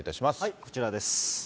こちらです。